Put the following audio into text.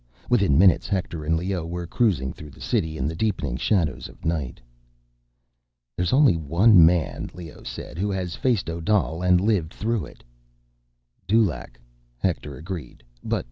Within minutes, Hector and Leoh were cruising through the city, in the deepening shadows of night. "There's only one man," Leoh said, "who has faced Odal and lived through it." "Dulaq," Hector agreed. "But